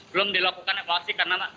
belum dilakukan evaluasi karena